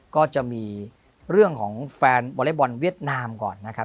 ก็จะมีเรื่องของแฟนวอเล็กบอลเวียดนามก่อนนะครับ